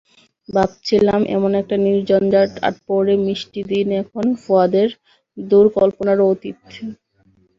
ভাবছিলাম, এমন একটা নির্ঝঞ্ঝাট, আটপৌরে মিষ্টি দিন এখন ফুয়াদের দূর কল্পনারও অতীত।